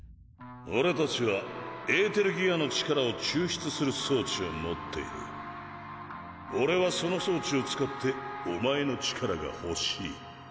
俺たちはエーテルギアの力を抽出する装置を持っている俺はその装置を使ってお前の力が欲し